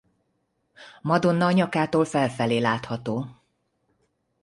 Madonna a nyakától felfelé látható.